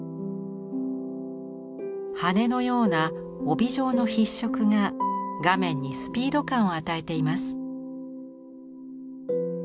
羽根のような帯状の筆触が画面にスピード感を与えています。